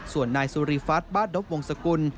ส่วนนายสุริฟัฐบ้านนบวงสกุล